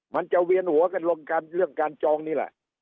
เปลี่ยนหัวกันเรื่องการจองนี่แหละ